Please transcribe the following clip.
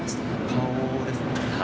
顔ですね。